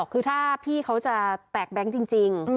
คือถ้าพี่เขาจะแตกแบงค์จริง